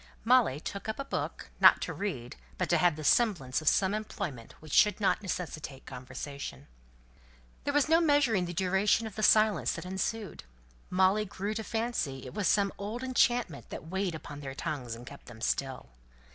Molly took up a book, not to read, but to have the semblance of some employment which should not necessitate conversation. There was no measuring the duration of the silence that ensued. Molly grew to fancy it was some old enchantment that weighed upon their tongues and kept them still.